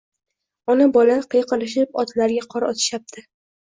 Ona-bola qiyqirishib otlarga qor otishyapti